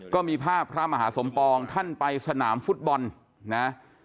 ก็มีภาพพระมหาสมปองท่านไปสนามฟุตบอลนะ